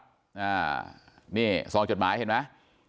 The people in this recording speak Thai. รถเซียนสองจดหมายเห็นไหม